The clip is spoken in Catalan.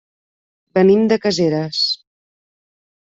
Venim de Caseres.